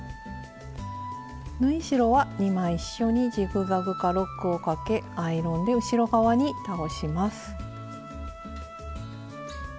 縫い代は２枚一緒にジグザグかロックをかけアイロンで後ろ側に倒します。